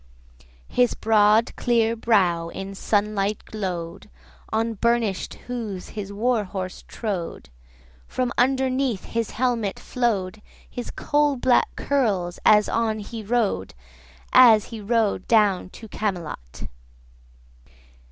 His broad clear brow in sunlight glow'd; 100 On burnish'd hooves his war horse trode; From underneath his helmet flow'd His coal black curls as on he rode, As he rode down to Camelot.